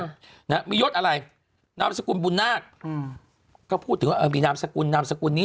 นะฮะมียศอะไรนามสกุลบุญนาคอืมก็พูดถึงว่าเออมีนามสกุลนามสกุลนี้